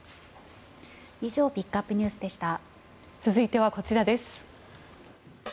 以上ピックアップＮＥＷＳでした。